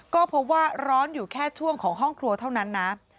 ก็พบว่าร้อนอยู่แค่ช่วงของห้องครัวเท่านั้นนะ